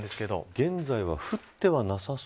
現在は降ってはいなさそう。